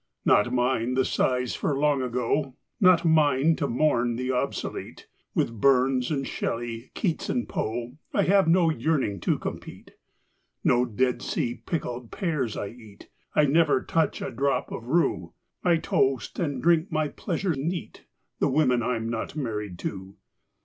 Not mine the sighs for Long Ago; Not mine to mourn the obsolete; With Burns and Shelley, Keats and Poe I have no yearning to compete. No Dead Sea pickled pears I eat; I never touch a drop of rue; I toast, and drink my pleasure neat, The women I'm not married to!